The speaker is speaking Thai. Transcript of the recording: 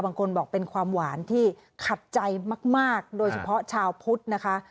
บางคนบอกเป็นความหวานที่ขัดใจมากโดยเฉพาะชาวพุทธนะคะ